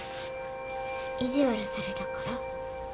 意地悪されたから？